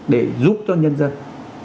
để giúp cho nhân dân